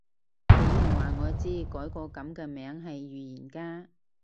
俾人話我改個噉嘅名係預言家